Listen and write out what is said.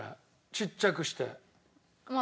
ちっちゃくして。